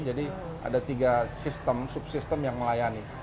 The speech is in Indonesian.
jadi ada tiga subsystem yang melayani